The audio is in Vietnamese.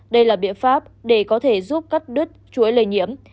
đây là biện pháp để có thể giúp cắt đứt chuỗi lây nhiễm